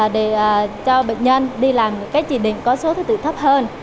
để cho bệnh nhân đi làm cái chỉ định có số thứ tự thấp hơn